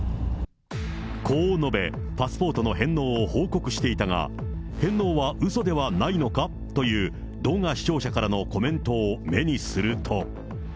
こう述べ、パスポートの返納を報告していたが、返納はうそではないのかという動画視聴者からのコメントを目にすると。